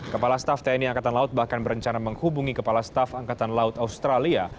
kepala staff tni angkatan laut bahkan berencana menghubungi kepala staf angkatan laut australia